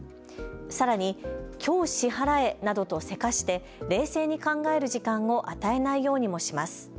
さらにきょう支払えなどとせかして冷静に考える時間を与えないようにもします。